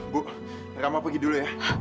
bu kamu pergi dulu ya